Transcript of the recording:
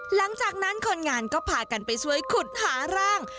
หลังจากนั้นคนงานก็พากันไปช่วยขุดหาร่าง